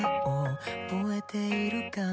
「覚えているかな？」